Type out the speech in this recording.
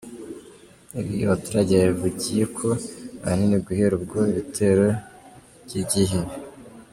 Ibi abaturage babivugiye ko ahanini guhera ubwo ibitero byibyihebe.